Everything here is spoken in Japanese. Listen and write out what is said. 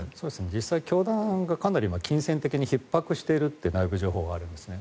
実際に教団が金銭的にひっ迫しているという内部情報があるんですね。